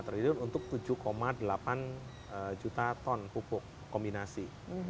dua puluh lima triliun untuk tujuh delapan juta ton pupuk kombinasi